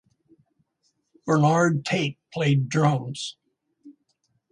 Burnard Tate played drums.